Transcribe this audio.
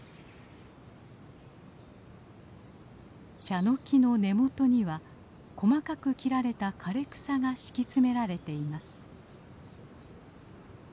チャノキの根元には細かく切られた枯れ草が敷き詰められています。